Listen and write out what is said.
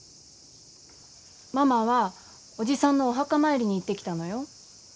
ママは叔父さんのお墓参りに行ってきたのよ。